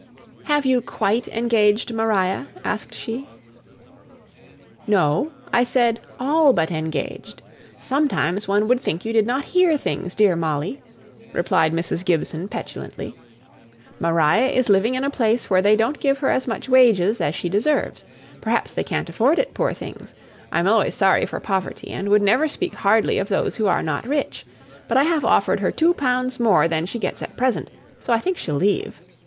"Have you quite engaged Maria?" asked she. "No I said 'all but engaged.' Sometimes one would think you did not hear things, dear Molly!" replied Mrs. Gibson, petulantly. "Maria is living in a place where they don't give her as much wages as she deserves. Perhaps they can't afford it, poor things! I'm always sorry for poverty, and would never speak hardly of those who are not rich; but I have offered her two pounds more than she gets at present, so I think she'll leave.